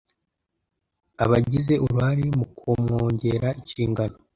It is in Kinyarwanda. abagize uruhare mu kumwongera inshingano